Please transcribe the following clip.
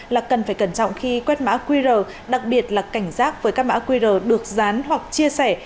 là cần phải cẩn trọng khi quét mã qr đặc biệt là cảnh giác với các mã qr được dán hoặc chia sẻ